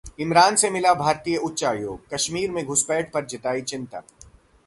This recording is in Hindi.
इमरान से मिला भारतीय उच्चायोग, कश्मीर में घुसपैठ पर जताई चिंता